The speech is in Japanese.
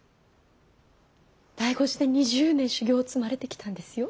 醍醐寺で２０年修行を積まれてきたんですよ。